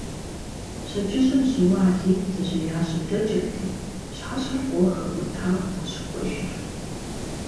Пщэдджыжьым жьыуэ Алий бдзэжьеящэ дэкӏырти, пщыхьэщхьэр фӏыуэ хэкӏуэтауэт къыщыкӏуэжыр.